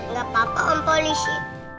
nggak apa apa om polisi